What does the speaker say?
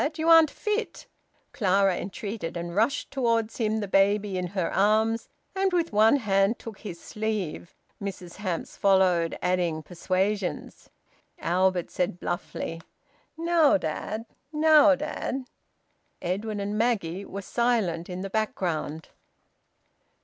You aren't fit," Clara entreated, and rushed towards him, the baby in her arms, and with one hand took his sleeve. Mrs Hamps followed, adding persuasions. Albert said bluffly, "Now, dad! Now, dad!" Edwin and Maggie were silent in the background.